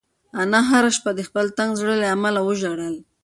انا هره شپه د خپل تنګ زړه له امله وژړل.